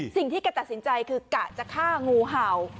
สิ่งที่แกตัดสินใจคือกะจะฆ่างูเห่า